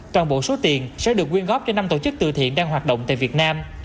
toàn bộ số tiền sẽ được quyên góp cho năm tổ chức từ thiện đang hoạt động tại việt nam